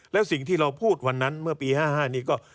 แล้วสิ่งที่เราพูดวันนั้นเมื่อปี๕๕นี้ก็